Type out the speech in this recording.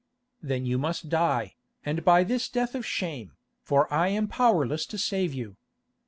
"Then you must die, and by this death of shame, for I am powerless to save you.